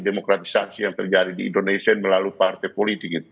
demokratisasi yang terjadi di indonesia melalui partai politik